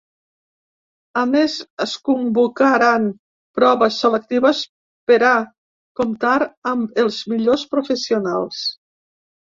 A més, es convocaran proves selectives per a comptar amb ‘els millors professionals’.